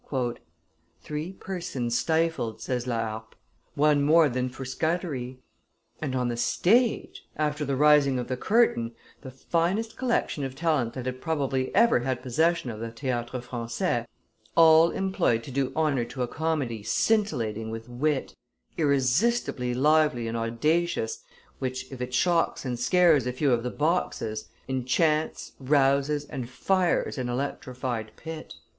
"Three persons stifled," says La Harpe, "one more than for Scudery; and on the stage, after the rising of the curtain, the finest collection of talent that had probably ever had possession of the Theatre Francais, all employed to do honor to a comedy scintillating with wit, irresistibly lively and audacious, which, if it shocks and scares a few of the boxes, enchants, rouses, and fires an electrified pit."